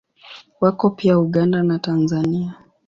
Wako pia Uganda na Tanzania.